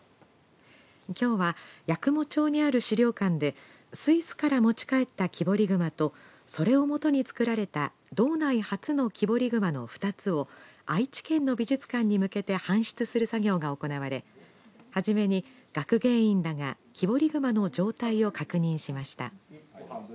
きょうは八雲町にある資料館でスイスから持ち帰った木彫り熊とそれを基に作られた道内初の木彫り熊の２つを愛知県の美術館に向けた搬出する作業が行われはじめに学芸員らが木彫り熊の状態を確認しました。